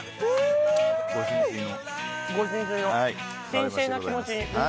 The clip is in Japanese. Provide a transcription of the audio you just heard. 神聖な気持ちに。